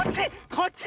こっちね！